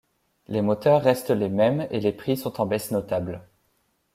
Les moteurs restent les mêmes et les prix sont en baisse notable.